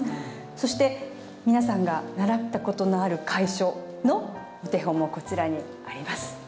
そして皆さんが習った事のある楷書のお手本もこちらにあります。